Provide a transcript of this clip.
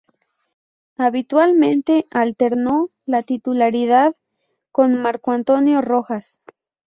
Habitualmente, alternó la titularidad con Marco Antonio Rojas.